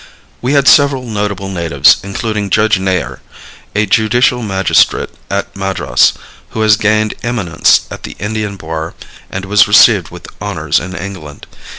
We had several notable natives, including Judge Nayar, a judicial magistrate at Madras who has gained eminence at the Indian bar and was received with honors in England.